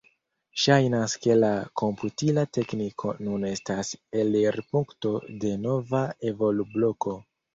Ŝajnas ke la komputila tekniko nun estas elirpunkto de nova evolubloko.